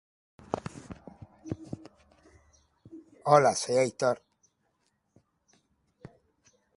Decano de la Facultad de Matemáticas de la Universidad de Chile.